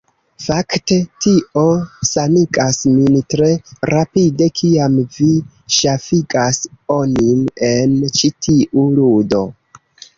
Fakte tio sanigas min tre rapide kiam vi ŝafigas onin en ĉi tiu ludo.